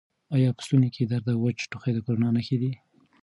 آیا په ستوني کې درد او وچ ټوخی د کرونا نښې دي؟